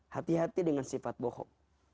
hati hati dengan sifat bohong